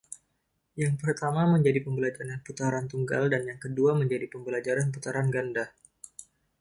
Yang pertama menjadi pembelajaran putaran tunggal dan yang kedua menjadi pembelajaran putaran ganda.